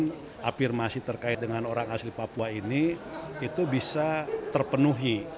kemudian afirmasi terkait dengan orang asli papua ini itu bisa terpenuhi